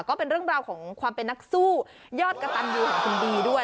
ก็เป็นเรื่องราวของความเป็นนักสู้ยอดกระตันยูของคุณบีด้วย